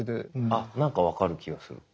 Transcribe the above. あっ何か分かる気がする。